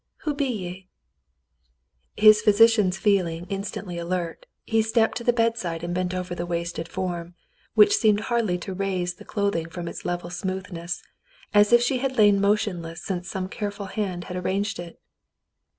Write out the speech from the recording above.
"Who be ye .^^" His physician's feeling instantly alert, he stepped to the bedside and bent over the wasted form, which seemed hardly to raise the clothing from its level smoothness, as if she had lain motionless since some careful hand had arranged it.